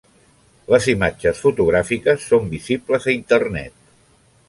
Les imatges fotogràfiques són visibles a internet.